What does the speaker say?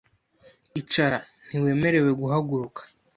Icara. Ntiwemerewe guhaguruka.